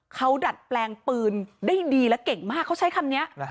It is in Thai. เขาดัดแปลงปืนได้ดีและเก่งมากเขาใช้คำนี้